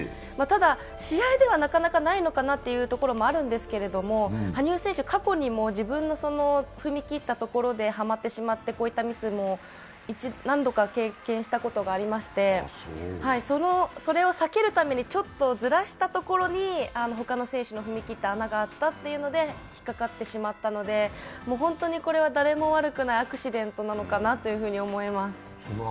ただ、試合ではなかなかないのかなというところもあるんですけれども、羽生選手、過去にも自分の踏み切ったところではまってしまって、こういったミスも何度か経験したことがありまして、それを避けるためにちょっとずらしたところに他の選手の踏み切った穴があったというので引っ掛かってしまったので、本当にこれは誰も悪くない、アクシデントなのかなと思います。